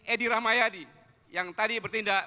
edi rahmayadi yang tadi bertindak